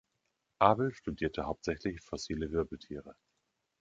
Abel studierte hauptsächlich fossile Wirbeltiere.